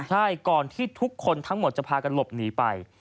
ใช่ก่อนที่ทุกคนทั้งหมดจะพากันหลบหนีไป